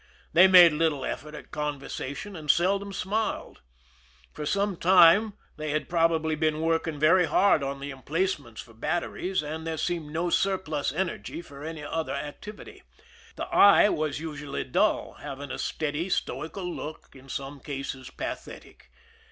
They made little effort at conversation, and seldom smiled. For some time they had probably been working very hard on the emplacements for bat teries, and there seemed no surplus energy, for any other activity. The eye was usually dull, having a steady, stoical look, in some cases pathetic.